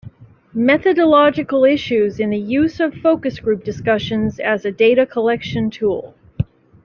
Methodological Issues in the Use of Focus Group Discussions as a Data Collection Tool.